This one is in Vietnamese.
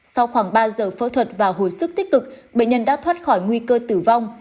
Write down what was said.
sau khoảng ba giờ phẫu thuật và hồi sức tích cực bệnh nhân đã thoát khỏi nguy cơ tử vong